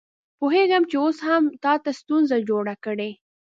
پوهېږم چې اوس مې هم تا ته ستونزه جوړه کړې.